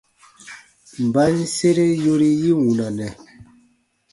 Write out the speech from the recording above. Mba n sere yori yi wunanɛ ?